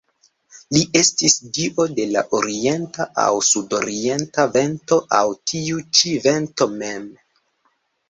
Li estis dio de la orienta aŭ sudorienta vento aŭ tiu ĉi vento mem.